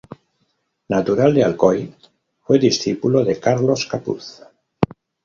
Natural de Alcoy, fue discípulo de Carlos Capuz.